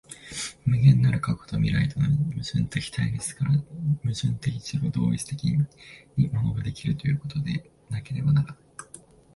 無限なる過去と未来との矛盾的対立から、矛盾的自己同一的に物が出来るということでなければならない。